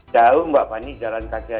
jauh mbak fani jalan kaki aja